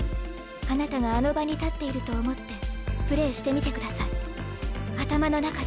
あなたがあの場に立っていると思ってプレーしてみてください頭の中で。